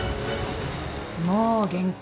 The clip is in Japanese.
もう限界。